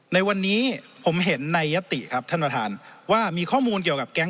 ในวันนี้ผมเห็นในยติครับท่านประธานว่ามีข้อมูลเกี่ยวกับแก๊ง